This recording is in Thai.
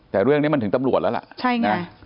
แต่เรื่องนี้มันถึงตำรวจแล้วล่ะใช่ไง